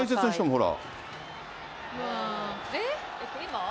ほら。